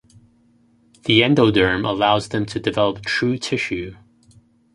The endoderm allows them to develop true tissue.